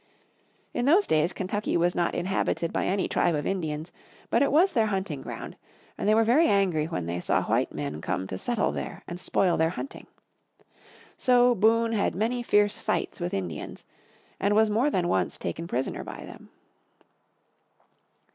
In those days Kentucky was not inhabited by any tribe of Indians, but it was their hunting ground, and they were very angry when they saw white men come to settle there and spoil their hunting. So Boone had many fierce fights with Indians, and was more than once taken prisoner by them.